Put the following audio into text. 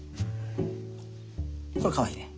これかわいいね。